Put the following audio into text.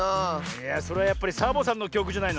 いやそれはやっぱりサボさんのきょくじゃないの？